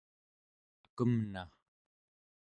cakemna